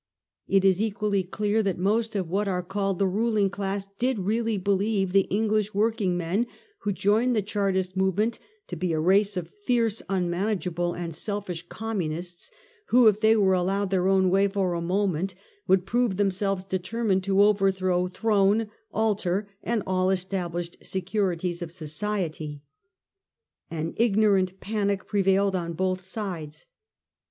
It is equally clear that most of what are called the ruling class did really believe the English working men who joined the Chartist movement to be a race of fierce unmanageable and selfish communists who, if they were allowed their own way for a moment, would prove themselves determined to overthrow throne, altar, and all estab lished securities of society. An ignorant panic pre vailed on both sides.